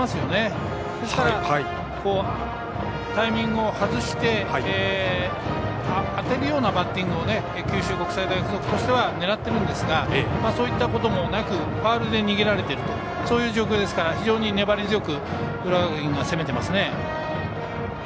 ですから、タイミングを外して当てるようなバッティングを九州国際大付属としては狙ってるんですがそういったこともなくファウルで逃げられているとそういう状況ですから非常に粘り強く浦和学院が攻めていますね。